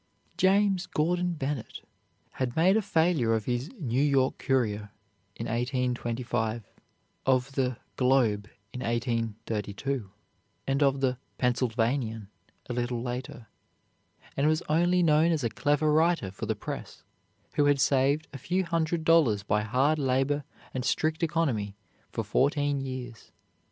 James Gordon Bennett had made a failure of his "New York Courier" in 1825, of the "Globe" in 1832, and of the "Pennsylvanian" a little later, and was only known as a clever writer for the press, who had saved a few hundred dollars by hard labor and strict economy for fourteen years.